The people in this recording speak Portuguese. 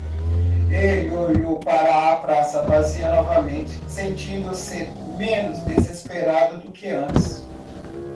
Ele olhou para a praça vazia novamente, sentindo-se menos desesperado do que antes.